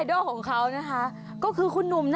เมหมน้ำแรม